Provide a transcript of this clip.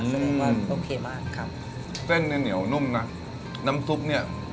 เรียกว่าโอเคมากครับเส้นเนี้ยเหนียวนุ่มน่ะน้ำซุปเนี้ย